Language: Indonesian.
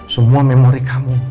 semua memori kamu